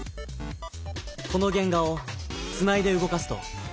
この原画をつないで動かすと。